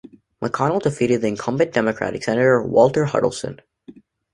McConnell defeated the incumbent Democratic senator, Walter Huddleston.